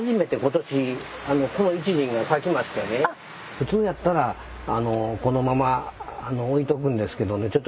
普通やったらこのまま置いとくんですけどね。